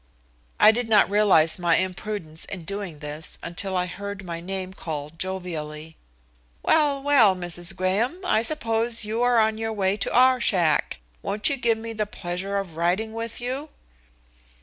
I did not realize my imprudence in doing this until I heard my name called jovially. "Well! well, Mrs. Graham, I suppose you are on your way to our shack. Won't you give me the pleasure of riding with you?"